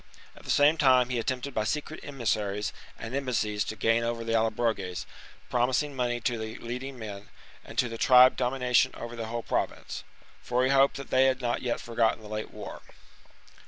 At the same time he attempted by secret emissaries and embassies to gain over the Allobroges, promising money to the leading men, and to the tribe dominion over the whole Province ; for he hoped that they had not yet forgotten the late war.